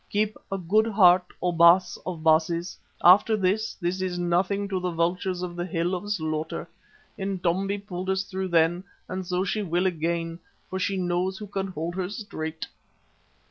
"Keep a good heart, O Baas of Baases. After all, this is nothing to the vultures of the Hill of Slaughter. Intombi pulled us through then, and so she will again, for she knows who can hold her straight!"